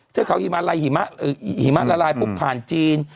เทศเขาหิมาลัยหิมะละลายปุ๊บผ่านจีน